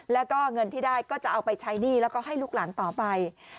แล้วก็เงินที่ได้ก็จะเอาไปใช้หนี้แล้วก็ให้ลูกหลานต่อไป